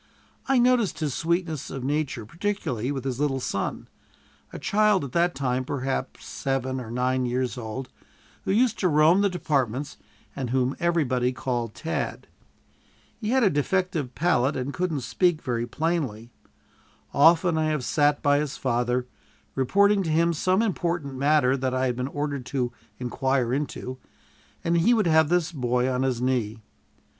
I noticed his sweetness of nature particularly with his little son, a child at that time perhaps seven or nine years old, who used to roam the departments and whom everybody called "Tad." He had a defective palate, and couldn't speak very plainly. Often I have sat by his father, reporting to him some important matter that I had been ordered to inquire into, and he would have this boy on his knee.